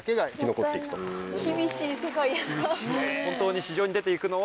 本当に。